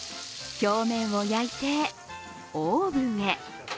表面を焼いてオーブンへ。